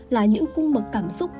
là những cung mực cảm xúc